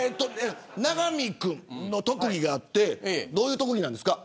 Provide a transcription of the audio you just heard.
永見君の特技があってどういう特技なんですか。